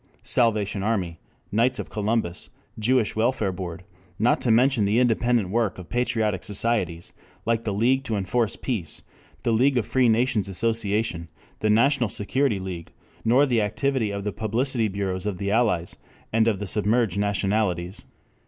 Salvation Army, Knights of Columbus, Jewish Welfare Board, not to mention the independent work of patriotic societies, like the League to Enforce Peace, the League of Free Nations Association, the National Security League, nor the activity of the publicity bureaus of the Allies and of the submerged nationalities.